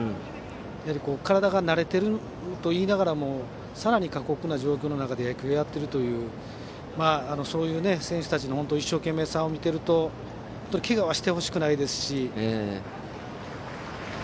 やはり体が慣れているといいながらもさらに過酷な中で野球をやっているというそういう選手たちの一生懸命さを見ているとけがはしてほしくないですし。